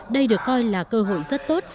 đây được coi là cơ hội rất tốt